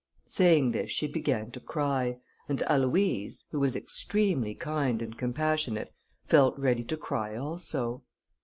Saying this, she began to cry, and Aloïse, who was extremely kind and compassionate, felt ready to cry also.